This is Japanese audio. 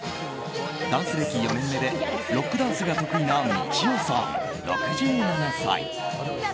ダンス歴４年でロックダンスが得意なＭＩＣＨＩＹＯさん、６７歳。